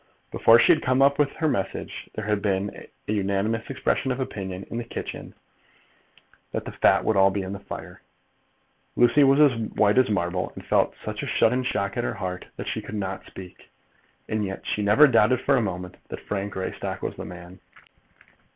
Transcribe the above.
Before she had come up with her message, there had been an unanimous expression of opinion in the kitchen that the fat would all be in the fire. Lucy was as white as marble, and felt such a sudden shock at her heart, that she could not speak. And yet she never doubted for a moment that Frank Greystock was the man.